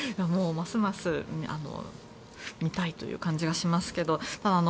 ますます見たいという感じがしますけど。